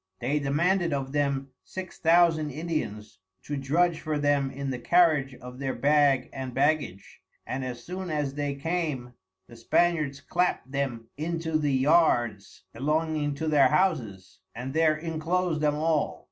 They demanded of them six thousand Indians to drudge for them in the carriage of their bag and baggage; and as soon as they came the Spaniards clapt them into the Yards belonging to their Houses and there inclosed them all.